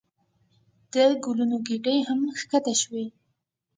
د ګلونو ګېډۍ هم ښکته شوې.